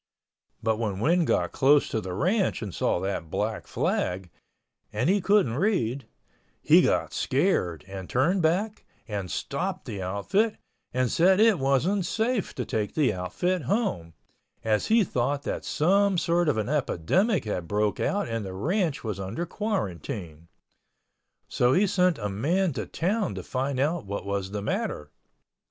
But when Win got close to the ranch and saw that black flag (and he couldn't read) he got scared and turned back and stopped the outfit and said it wasn't safe to take the outfit home, as he thought that some sort of an epidemic had broke out and the ranch was under quarantine. So he sent a man to town to find out what was the matter.